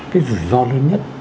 cái rủi ro lớn nhất